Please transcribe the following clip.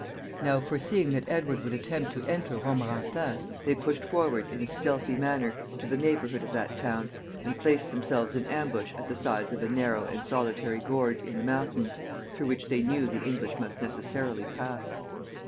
Now, foreseeing that Edward would attempt to enter Romorantin, they pushed forward in a stealthy manner to the neighborhood of that town, and placed themselves in ambush at the sides of a narrow and solitary gorge in the mountains, through which they knew the English must necessarily pass.